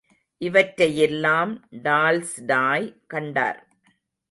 இவற்றையெல்லாம் டால்ஸ்டாய் கண்டார்!